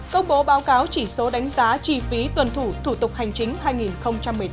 công bố báo cáo chỉ số đánh giá chi phí tuần thủ thủ tục hành chính hai nghìn một mươi tám